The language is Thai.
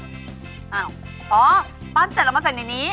อ้าวอ๋อปั้นเสร็จเรามาใส่ในนี้